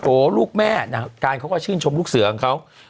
โอ๋ลูกแม่น่ะการเขาก็ชื่นชมลูกเสือครับเขา